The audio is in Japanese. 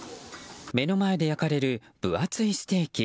目の前で焼かれる分厚いステーキ。